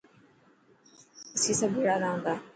اسين سڀ ڀيڙا رهان ٿا.